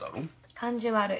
感じ悪い。